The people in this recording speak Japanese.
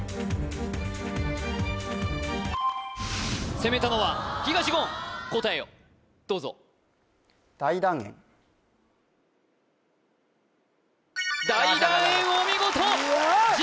攻めたのは東言答えをどうぞ大団円